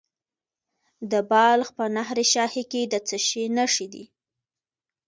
د بلخ په نهر شاهي کې د څه شي نښې دي؟